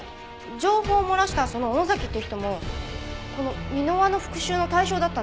情報を漏らしたその尾野崎って人もこの箕輪の復讐の対象だったんじゃ。